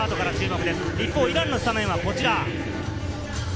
一方、イランのスタメンはこちら。